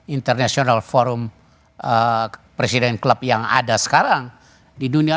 international forum presiden klub yang ada sekarang di dunia